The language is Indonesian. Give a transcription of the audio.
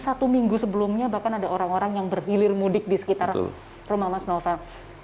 satu minggu sebelumnya bahkan ada orang orang yang berhilir mudik di sekitar rumah mas novel